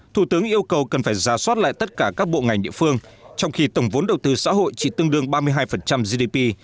thủ tướng yêu cầu cần phải ra soát lại tất cả các bộ ngành địa phương trong khi tổng vốn đầu tư xã hội chỉ tương đương ba mươi hai gdp